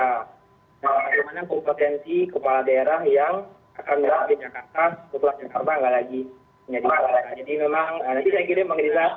bagaimana kompetensi kepala daerah yang akan berada di jakarta ke kepala jakarta nggak lagi